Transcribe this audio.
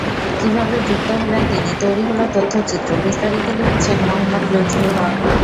কীভাবে যুক্ত হলেন তিনি, তৈরি হলো তথ্যচিত্র—বিস্তারিত লিখেছেন মুহাম্মদ লুৎফুল হক।